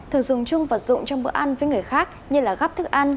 thường dùng chung vật dụng trong bữa ăn với người khác như gáp thức ăn